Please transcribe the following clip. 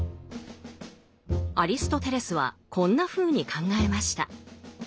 アリストテレスはこんなふうに考えました。